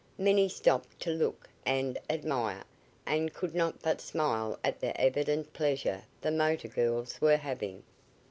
Many stopped to look and admire and could not but smile at the evident pleasure the motor girls were having.